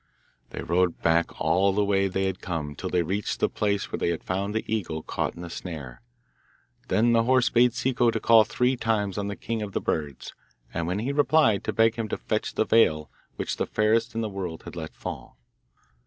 They rode back all the way they had come till they reached the place where they had found the eagle caught in the snare; then the horse bade Ciccu to call three times on the king of the birds, and when he replied, to beg him to fetch the veil which the fairest in the world had let fall.